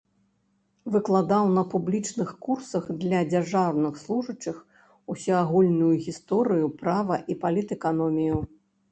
Выкладаў на публічных курсах для дзяржаўных служачых усеагульную гісторыю, права і палітэканомію.